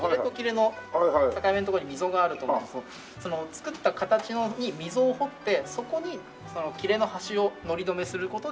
その作った形に溝を彫ってそこに切れの端をのり止めする事で。